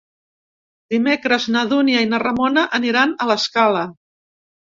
Dimecres na Dúnia i na Ramona aniran a l'Escala.